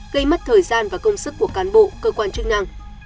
gây mất thời gian và công sức của cán bộ cơ quan chức năng